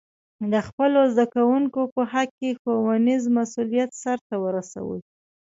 د خپلو زده کوونکو په حق کې ښوونیز مسؤلیت سرته ورسوي.